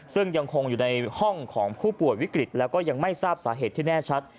ซึ่งยังคงอยู่ในห้องของผู้ป่วยวิกฤตแล้วก็ยังไม่ทราบสาเหตุที่แน่ชัด